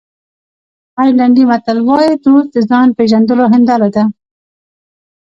آیرلېنډي متل وایي دوست د ځان پېژندلو هنداره ده.